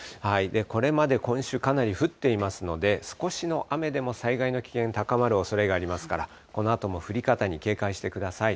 これまで今週、かなり降っていますので、少しの雨でも災害の危険が高まるおそれがありますから、このあとも降り方に警戒してください。